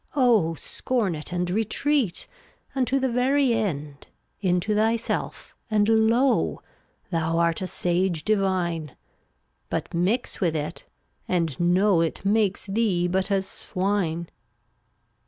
Oh, scorn it, and retreat, Unto the very end, Into thyself; and lo! Thou art a sage divine; But mix with it — and know It makes thee but as swine.